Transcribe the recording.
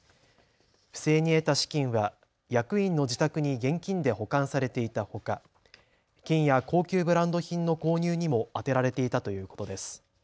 不正に得た資金は役員の自宅に現金で保管されていたほか金や高級ブランド品の購入にも充てられていたということです。